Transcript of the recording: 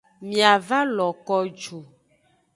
Mia va lo ko ju.